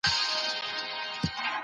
اسلام د رڼا هغه مشعل دی چي لارښوونه کوي.